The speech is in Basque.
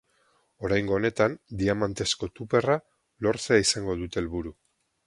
Oraingo honetan, diamantezko tuperra lortzea izango dute helburu.